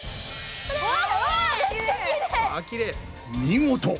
見事！